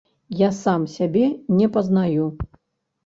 Я сам сябе не пазнаю.